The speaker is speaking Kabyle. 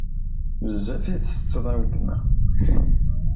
Bezzaf i ttetteḍ a wletma.